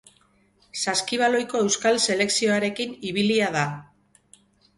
Saskibaloiko euskal selekzioarekin ibilia da.